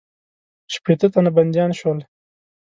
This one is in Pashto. شپېته تنه بندیان شول.